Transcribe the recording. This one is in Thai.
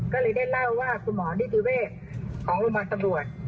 ก็เลยได้เล่าว่าคุณหมอนิติเวทย์ของรุมันตำรวจ